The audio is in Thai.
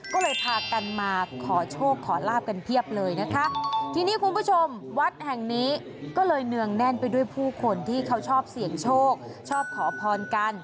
ก็เลยพากันมาขอโชคขอลาภกันเพียบเลยนะคะ